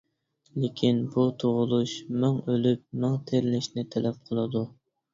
لېكىن بۇ تۇغۇلۇش مىڭ ئۆلۈپ مىڭ تىرىلىشنى تەلەپ قىلىدۇ.